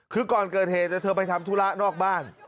คือก่อนเกิดเหตุเธอไปทำธุระนอกบ้าน